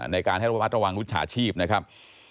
ในการให้เราประวัติระวังวิชาชีพนะครับ